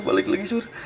balik lagi sur